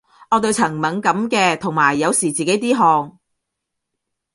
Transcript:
我對塵敏感嘅，同埋有時自己啲汗